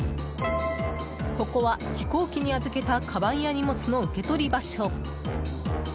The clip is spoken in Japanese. ここは、飛行機に預けたかばんや荷物の受け取り場所。